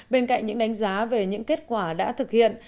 bên cạnh những đánh giá về những kết quả đã thực hiện